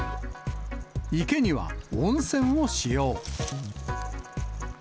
池には温泉を使用。